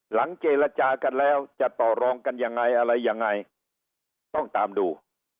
หลังเจรจากันแล้วจะต่อรองกันยังไงอะไรยังไงต้องตามดู